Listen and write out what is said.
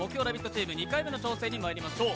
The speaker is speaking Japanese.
チーム２回目の挑戦にまいりましょう。